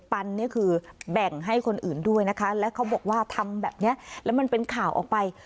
ปันนี่คือแบ่งให้คนอื่นด้วยนะคะแล้วเขาบอกว่าทำแบบนี้แล้วมันเป็นข่าวออกไป